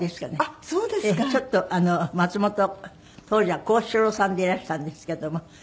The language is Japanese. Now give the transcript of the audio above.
ちょっと松本当時は幸四郎さんでいらしたんですけども。